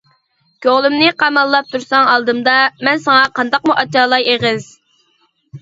كۆڭلۈمنى قاماللاپ تۇرساڭ ئالدىمدا، مەن ساڭا قانداقمۇ ئاچالاي ئېغىز.